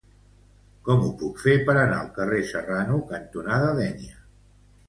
Com ho puc fer per anar al carrer Serrano cantonada Dénia?